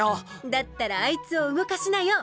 だったらあいつを動かしなよ。